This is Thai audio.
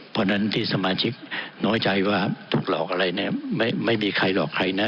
เพราะฉะนั้นที่สมาชิกน้อยใจว่าถูกหลอกอะไรเนี่ยไม่มีใครหลอกใครนะ